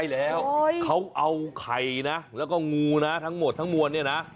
แล้วก็งูทั้งหมดทั้งมวล